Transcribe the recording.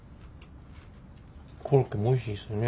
コロッケもおいしいですね。